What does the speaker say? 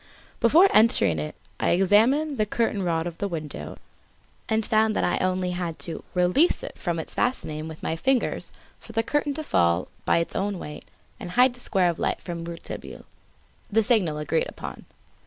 Before entering it I examined the curtain cord of the window and found that I had only to release it from its fastening with my fingers for the curtain to fall by its own weight and hide the square of light from Rouletabille the signal agreed upon.